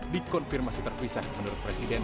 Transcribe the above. dikonfirmasi terpisah menurut presiden